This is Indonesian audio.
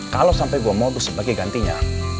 kalo sampe gue modus sebagai gantinya